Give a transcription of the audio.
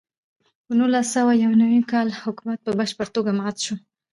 په نولس سوه یو نوي کال کې حکومت په بشپړه توګه مات شو.